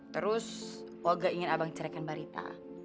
terus olga ingin abang cerahkan barita